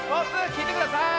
きいてください！